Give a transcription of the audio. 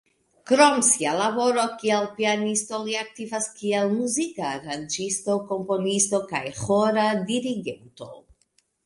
Krom sia laboro kiel pianisto li aktivas kiel muzika aranĝisto, komponisto kaj ĥora dirigento.